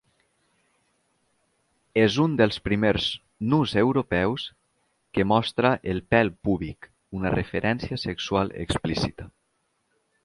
És un dels primers nus europeus que mostra el pèl púbic, una referència sexual explícita.